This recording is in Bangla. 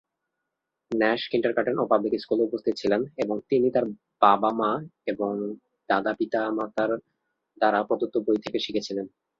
ন্যাশ কিন্ডারগার্টেন ও পাবলিক স্কুলে উপস্থিত ছিলেন, এবং তিনি তার বাবা-মা এবং দাদা-পিতামাতার দ্বারা প্রদত্ত বই থেকে শিখেছিলেন।